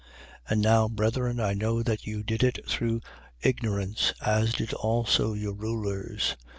3:17. And now, brethren, I know that you did it through ignorance: as did also your rulers.